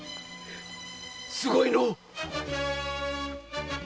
すごいのう‼